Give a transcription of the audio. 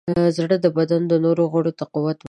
زړه د بدن نورو غړو ته قوت ورکوي.